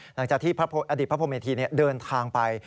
หลังจากที่พระอดีตพระพรมเมธีเดินทางไป